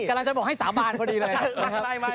กำลังจะบอกให้สาบานพอดีเลย